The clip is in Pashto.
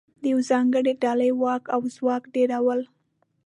د یوې ځانګړې ډلې واک او ځواک ډېرول